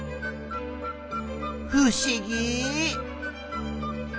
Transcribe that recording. ふしぎ。